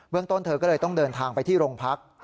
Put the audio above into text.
ต้นเธอก็เลยต้องเดินทางไปที่โรงพัก